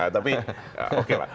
tapi oke lah